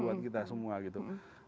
buat kita semua gitu